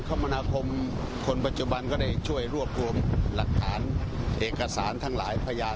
คมนาคมคนปัจจุบันก็ได้ช่วยรวบรวมหลักฐานเอกสารทั้งหลายพยาน